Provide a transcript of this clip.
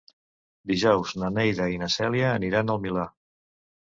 Dijous na Neida i na Cèlia aniran al Milà.